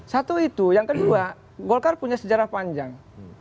satu itu yang kedua golkar punya sejarah panjang